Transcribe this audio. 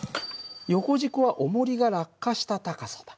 横軸はおもりが落下した高さだ。